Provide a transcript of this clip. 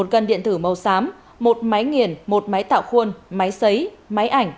một cân điện tử màu xám một máy nghiền một máy tạo khuôn máy xấy máy ảnh